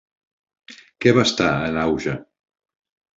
Què va estar en auge?